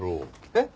えっ？